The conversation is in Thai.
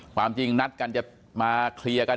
ความจริงนัดกันจะมาเคลียร์กัน